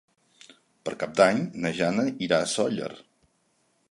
Per Cap d'Any na Jana irà a Sóller.